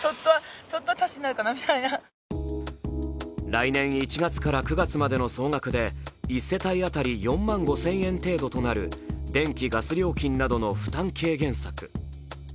来年１月から９月までの総額で１世帯あたり４万５０００円程度となる電気、ガス料金などの負担軽減策。